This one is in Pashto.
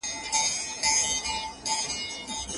لارښود وویل چي املا او انشا د شاګرد دنده ده.